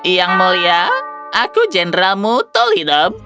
yang mulia aku jenderalmu tolidob